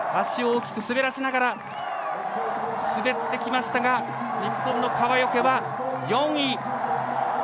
足を大きく滑らせながら滑ってきましたが日本の川除は４位。